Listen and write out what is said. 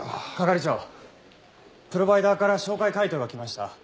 係長。プロバイダーから照会回答が来ました。